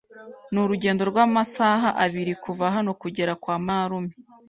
Ni urugendo rw'amasaha abiri kuva hano kugera kwa marume.